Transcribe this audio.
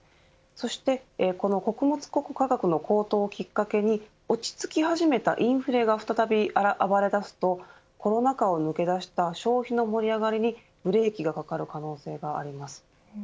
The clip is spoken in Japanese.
そして穀物価格の高騰をきっかけに落ち着き始めたインフレが再び暴れだすとコロナ禍を抜け出した消費の盛り上がりにブレーキがかかる可能性があります。